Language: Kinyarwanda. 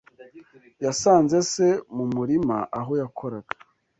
yasanze se mu murima aho yakoraga